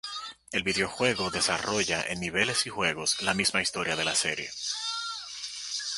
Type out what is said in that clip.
El videojuego desarrolla en niveles y juegos la misma historia de la serie